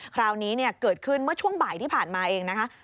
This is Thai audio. คราวนี้เกิดขึ้นเมื่อช่วงบ่ายที่ผ่านมาเองนะคะ